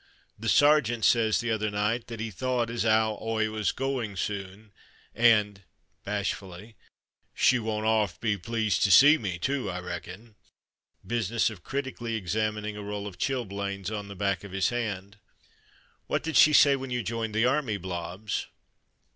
The ser geant says the other night, that 'e thought Blobbs's Love Affair 57 as 'ow Oi was a goin' soon, and (bashfully) she won't 'arf be pleased to see me, too, I reckon (business, of critically examining a row of chilblains on the back of his hand). /; What did she say when you joined the army, Blobbs?